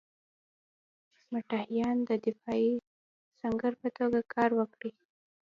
مرهټیان د دفاعي سنګر په توګه کار ورکړي.